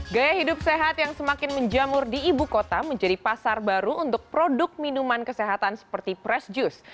gaya hidup sehat yang semakin menjamur di ibu kota menjadi pasar baru untuk produk minuman kesehatan seperti press juice